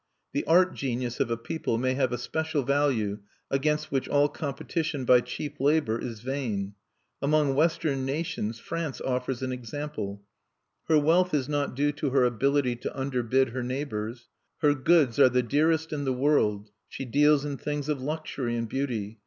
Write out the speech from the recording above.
The art genius of a people may have a special value against which all competition by cheap labor is vain. Among Western nations, France offers an example. Her wealth is not due to her ability to underbid her neighbors. Her goods are the dearest in the world: she deals in things of luxury and beauty.